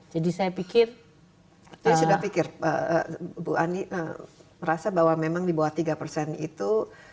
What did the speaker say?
jadi saya pikir saya sudah pikir bu ani merasa bahwa memang di bawah tiga persen itu